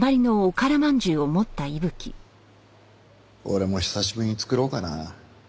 俺も久しぶりに作ろうかな。